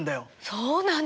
そうなの？